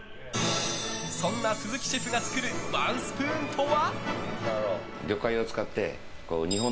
そんな鈴木シェフが作るワンスプーンとは？